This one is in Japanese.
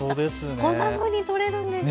こんなふうに撮れるんですね。